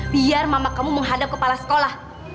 biar mama kamu menghadap kepala sekolah